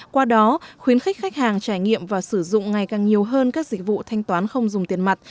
qua đó khuyến khích khách hàng trải nghiệm và sử dụng ngày càng nhiều hơn các dịch vụ thanh toán không dùng tiền mặt